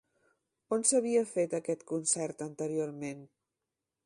On s'havia fet, aquest concert, anteriorment?